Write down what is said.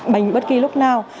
bành bất kỳ lúc nào